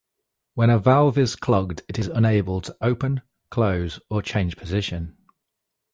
When a valve is clogged it is unable to open, close, or change position.